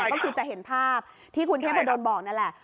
ก็คือจะเห็นภาพที่คุณเทพดนบอกนั่นแหละ